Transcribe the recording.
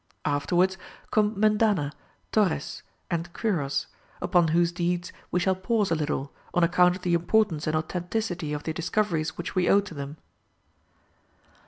Afterwards come Mendana, Torrès, and Quiros, upon whose deeds we shall pause a little, on account of the importance and authenticity of the discoveries which we owe to them.